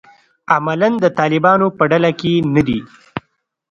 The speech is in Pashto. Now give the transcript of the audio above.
عملاً د طالبانو په ډله کې نه دي.